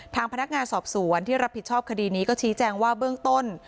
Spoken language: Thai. ทางพนักงานสอบสวนที่รับผิดชอบคดีนี้ก็ชี้แจงว่าเบื้องต้น